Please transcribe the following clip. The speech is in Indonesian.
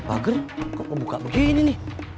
bager kok buka begini ni